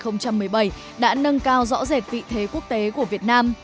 năm hai nghìn một mươi bảy đã nâng cao rõ rệt vị thế quốc tế của việt nam